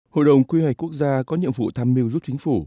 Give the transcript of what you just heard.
hội đồng quy hoạch quốc gia có nhiệm vụ tham mưu giúp chính phủ